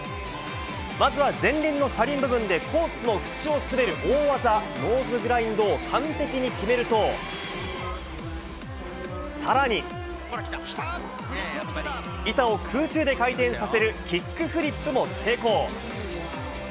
まず前輪の車輪部分でコースのふちを滑る大技、ノーズグラインドを完璧に決めると更に、板を空中で回転させるキックフリップも成功。